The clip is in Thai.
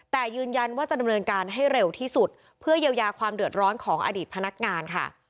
แต่ยืนยันว่าจะดำเนินการให้เร็วที่สุดเพื่อเยียวยาความเดือดร้อนของอดีตพนักงานค่ะ